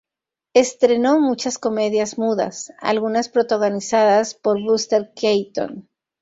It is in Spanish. Estrenó muchas comedias mudas, algunas protagonizadas por Buster Keaton.